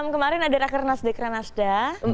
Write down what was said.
kemarin ada raker nasdaq rekerasda